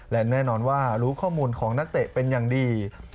และแน่นอนว่ารู้ข้อมูลของนักเตะเป็นอย่างดี